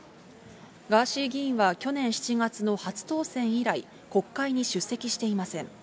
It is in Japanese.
ガーシー議員は去年７月の初当選以来、国会に出席していません。